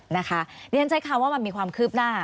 นะคะนี่ฉะนั้นใช้คำว่ามันมีความคืบหน้า